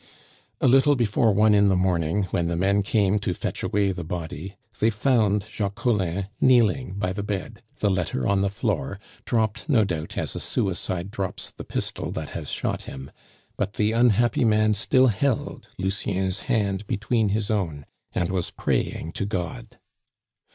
A little before one in the morning, when the men came to fetch away the body, they found Jacques Collin kneeling by the bed, the letter on the floor, dropped, no doubt, as a suicide drops the pistol that has shot him; but the unhappy man still held Lucien's hand between his own, and was praying to God.